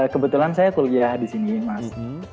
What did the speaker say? kebetulan saya kuliah di sini mas